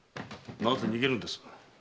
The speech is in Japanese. なぜ逃げるのです？